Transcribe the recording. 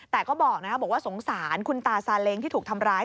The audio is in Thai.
แต่ก็บอกว่าสงสารคุณตาซาเล้งที่ถูกทำร้าย